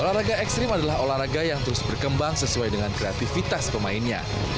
olahraga ekstrim adalah olahraga yang terus berkembang sesuai dengan kreativitas pemainnya